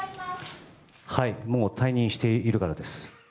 もう退任しているからです。